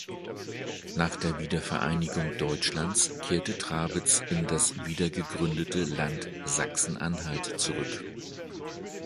Nach der Wiedervereinigung Deutschlands kehrte Trabitz in das wiedergegründete Land Sachsen-Anhalt zurück.